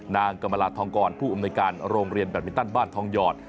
นางกรรมลาทองกรผู้อำนวยการโรงเรียนแบตมินตันบ้านทองหยอด